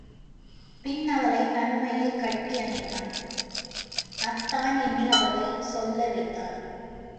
பின் அவளைத் தனிமையில் கட்டி அணைத்தான், அத்தான் என்று அவளைச் சொல்ல வைத்தான்.